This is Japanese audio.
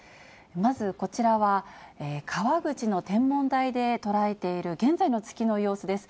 まずこちらは、川口の天文台で捉えている現在の月の様子です。